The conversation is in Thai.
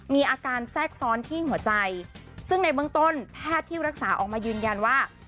มีอาการแทรกซ้อนที่หัวใจซึ่งในเบื้องต้นแพทย์ที่รักษาออกมายืนยันว่า